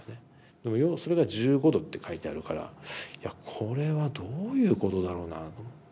でもそれが「１５°」って書いてあるから「いやこれはどういうことだろうな」と思って。